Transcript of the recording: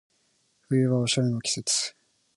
冬はおしゃれの季節